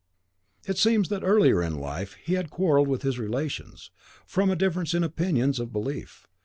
It seems that in earlier life he had quarrelled with his relations, from a difference in opinions of belief.